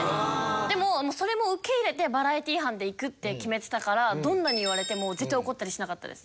でもそれも受け入れてバラエティー班でいくって決めてたからどんなに言われても絶対怒ったりしなかったです。